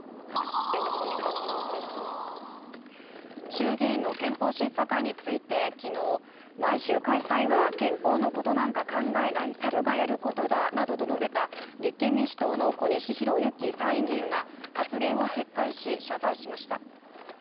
衆議院の憲法審査会について昨日毎週開催は憲法のことなんか考えないサルがやることだなどと述べた立憲民主党の小西洋之参院議員が発言を撤回し、謝罪しました。